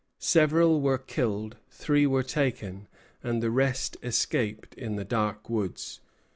Several were killed, three were taken, and the rest escaped in the dark woods.